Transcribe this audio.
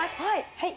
はい。